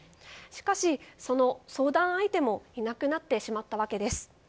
しかし、その相談相手もいなくなってしまったわけです。